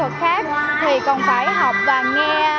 ngoài các nghệ thuật khác thì còn phải học và nghe